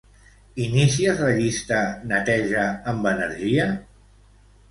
Inicies la llista "Neteja amb energia"?